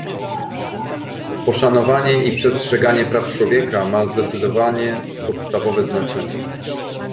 Poszanowanie i przestrzeganie praw człowieka ma zdecydowanie podstawowe znaczenie